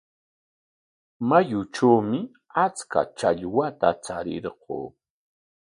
Mayutrawmi achka challwata charirquu.